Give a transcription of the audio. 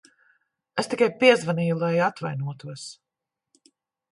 Es tikai piezvanīju, lai atvainotos.